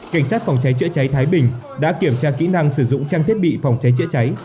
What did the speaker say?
cảnh sát phòng cháy chữa cháy thái bình đã kiểm tra kỹ năng sử dụng trang thiết bị phòng cháy chữa cháy